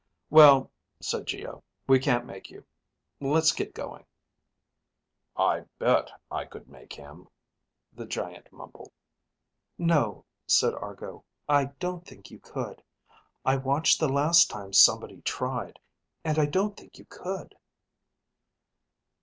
"Well," said Geo, "we can't make you. Let's get going." "I bet I could make him," the giant mumbled. "No," said Argo. "I don't think you could. I watched the last time somebody tried. And I don't think you could."